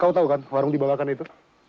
tahu tahu kan warung dibawakan itu